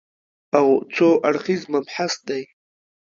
او څو اړخیز مبحث دی